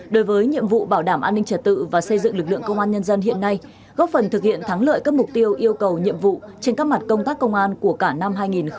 đối với nhiệm vụ bảo đảm an ninh trật tự và xây dựng lực lượng công an nhân dân hiện nay góp phần thực hiện thắng lợi các mục tiêu yêu cầu nhiệm vụ trên các mặt công tác công an của cả năm hai nghìn hai mươi ba